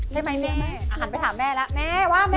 ได้ไหมแม่หันไปถามแม่แล้วแม่ว่าแม่